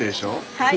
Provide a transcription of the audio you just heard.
はい。